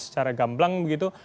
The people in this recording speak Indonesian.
secara gamblang begitu